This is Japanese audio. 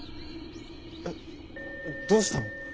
えっどうしたの？